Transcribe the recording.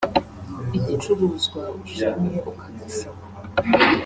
igicuruzwa ushimye ukagisaba